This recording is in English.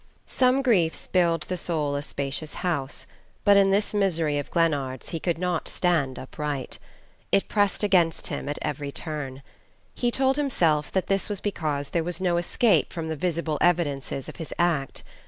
Some griefs build the soul a spacious house but in this misery of Glennard's he could not stand upright. It pressed against him at every turn. He told himself that this was because there was no escape from the visible evidences of his act.